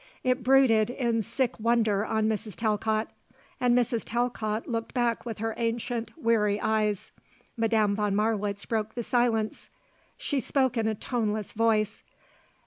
It brooded in sick wonder on Mrs. Talcott, and Mrs. Talcott looked back with her ancient, weary eyes. Madame von Marwitz broke the silence. She spoke in a toneless voice.